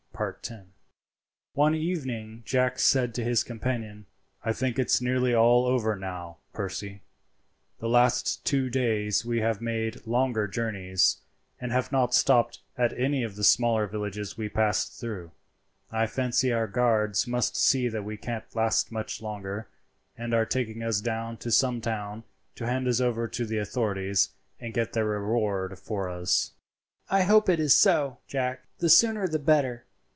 One evening Jack said to his companion, "I think it's nearly all over now, Percy. The last two days we have made longer journeys, and have not stopped at any of the smaller villages we passed through. I fancy our guards must see that we can't last much longer, and are taking us down to some town to hand us over to the authorities and get their reward for us." "I hope it is so, Jack; the sooner the better.